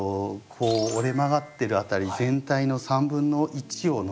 こう折れ曲がってる辺り全体の３分の１を残すぐらい。